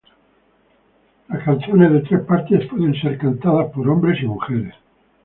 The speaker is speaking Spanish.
Las canciones de tres partes pueden ser cantadas por hombres y mujeres.